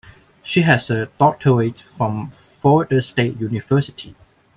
She has a doctorate from Florida State University.